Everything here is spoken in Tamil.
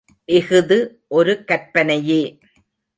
இஃது ஒரு கற்பனையே.